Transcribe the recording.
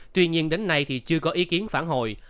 tuy nhiên đến nay thì chưa có ý kiến phản hồi